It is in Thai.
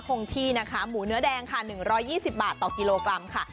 คงที่นะคะหมูเนื้อแดงค่ะ๑๒๐บาทต่อกิโลกรัมค่ะ